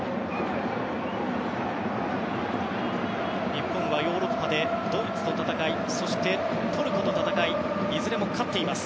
日本はヨーロッパでドイツと戦いそして、トルコと戦いいずれも勝っています。